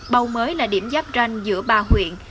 bầu mới là điểm giáp ranh giữa ba huyện